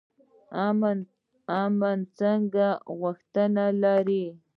امن څه غوښتنه لري؟